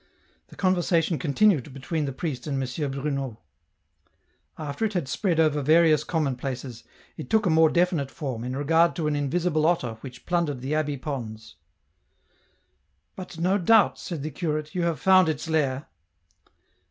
The conversation continued between the priest and M. Bruno. After it had spread over various commonplaces, it took a more definite form, in regard to an invisible otter which plundered the abbey ponds. " But, no doubt," said the curate, "you have found its lair